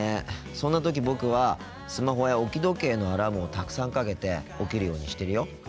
そんな時僕はスマホや置き時計のアラームをたくさんかけて起きるようにしてるよ。